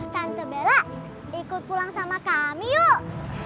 tante bella ikut pulang sama kami yuk